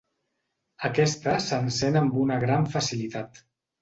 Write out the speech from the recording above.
Aquesta s'encén amb una gran facilitat.